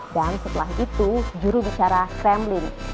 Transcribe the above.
dan setelah itu jurubicara kremlin dimisi satukan